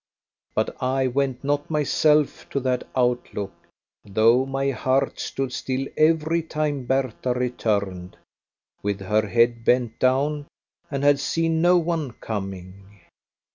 but I went not myself to that outlook, though my heart stood still every time Bertha returned, with her head bent down, and had seen no one coming.